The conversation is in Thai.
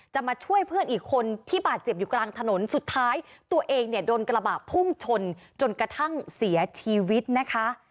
มาช่วยเพื่อนอีกคนที่บาดเจ็บอยู่กลางถนนสุดท้ายตัวเองเนี่ยโดนกระบะพุ่งชนจนกระทั่งเสียชีวิตนะคะ